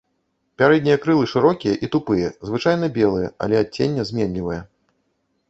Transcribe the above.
Пярэднія крылы шырокія і тупыя, звычайна белыя, але адценне зменлівае.